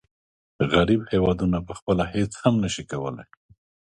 غریب هېوادونه پخپله هیڅ هم نشي کولای.